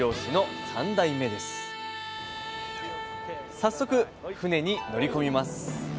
早速船に乗り込みます。